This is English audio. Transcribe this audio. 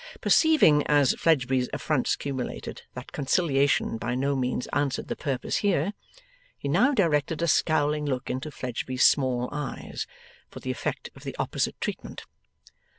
Perceiving, as Fledgeby's affronts cumulated, that conciliation by no means answered the purpose here, he now directed a scowling look into Fledgeby's small eyes for the effect of the opposite treatment.